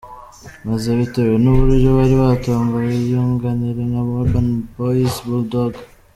maze bitewe nuburyo bari batomboye yunganirwa na Urban boyz, Bull Dog,.